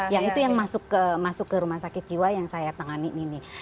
yang itu yang masuk ke rumah sakit jiwa yang saya tangani ini